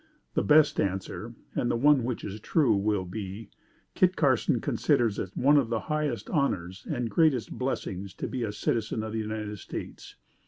The best answer and the one which is true, will be: Kit Carson considers it one of the highest honors and greatest blessings to be a citizen of the United States.